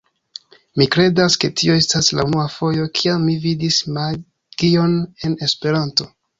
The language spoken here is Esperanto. Mi kredas, ke tio estas la unua fojo, kiam mi vidis magion en Esperanto